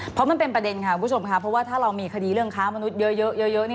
เพราะมันเป็นประเด็นครับผู้ชมพอว่าเรามีคดีเรื่องค้ามนุษย์เยอะ